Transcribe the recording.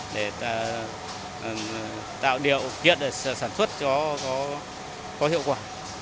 để tạo điều kiện để sản xuất có hiệu quả